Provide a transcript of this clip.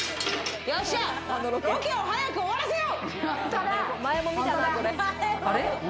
ロケを早く終わらせよう。